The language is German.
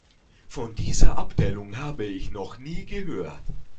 Von dieser Abteilung habe ich noch nie gehört.